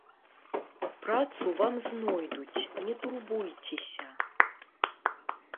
Працу вам знойдуць, не турбуйцеся!